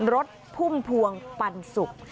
รถพุ่มพวงปันสุก